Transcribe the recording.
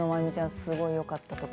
すごくよかったとか。